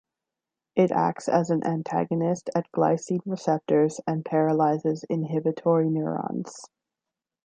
It acts as an antagonist at glycine receptors and paralyzes inhibitory neurons.